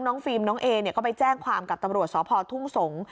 ฟิล์มน้องเอเนี่ยก็ไปแจ้งความกับตำรวจสพทุ่งสงศ์